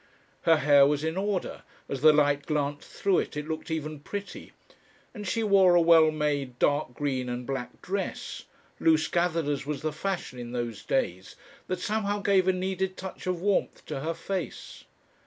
Her hair was in order, as the light glanced through it it looked even pretty, and she wore a well made, dark green and black dress, loose gathered as was the fashion in those days, that somehow gave a needed touch of warmth to her face.